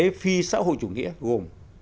các thành phần kinh tế phi xã hội chủ nghĩa gồm